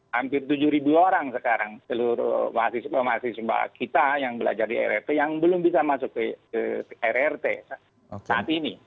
hampir tujuh orang sekarang seluruh mahasiswa mahasiswa kita yang belajar di rrt yang belum bisa masuk ke rrt saat ini